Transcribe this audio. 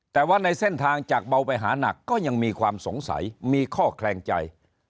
แต่ว่าในเส้นทางจากเบาไปหานักก็ยังมีความสงสัยมีข้อแคลงใจ